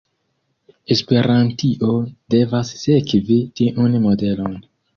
Esperantio devas sekvi tiun modelon.